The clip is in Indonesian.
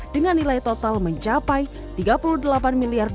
dengan nilai total mencapai tiga puluh delapan miliar dolar